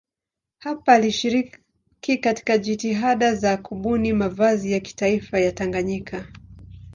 Hapa alishiriki katika jitihada za kubuni mavazi ya kitaifa ya Tanganyika.